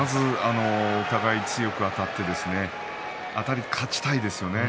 お互いに強くあたってあたり勝ちたいですよね。